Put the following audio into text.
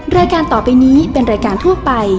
รายการต่อไปนี้เป็นรายการทั่วไป